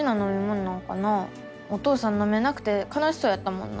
お父さんのめなくてかなしそうやったもんな。